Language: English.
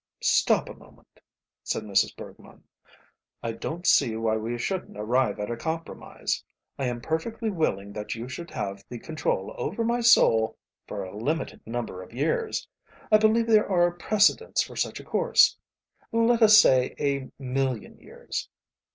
"Stop a moment," said Mrs. Bergmann, "I don't see why we shouldn't arrive at a compromise. I am perfectly willing that you should have the control over my soul for a limited number of years I believe there are precedents for such a course let us say a million years."